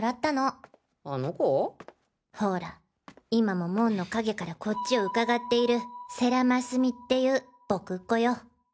ホラ今も門の陰からこっちをうかがっている世良真純っていうボクっ娘よ！